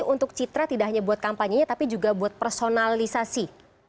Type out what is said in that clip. untuk citra tidak hanya buat kampanyenya tapi juga buat personalisasi